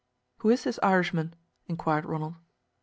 "Who is this Irishman?" inquired Ronald.